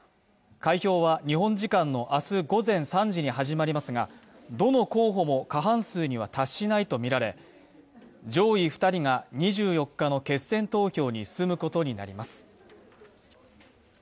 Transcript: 開票は日本時間の明日午前３時に始まりますが、どの候補も過半数には達しないとみられ、上位２人が２４日の決選投票に進むことになります。